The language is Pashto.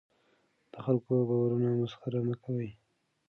د خلکو د باورونو مسخره مه کوه.